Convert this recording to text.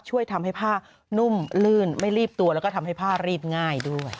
ช่วยทำให้ผ้านุ่มลื่นไม่รีบตัวแล้วก็ทำให้ผ้ารีดง่ายด้วย